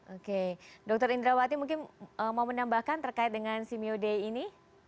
oke dr indrawati mungkin mau menambahkan terkait dengan cmo day ini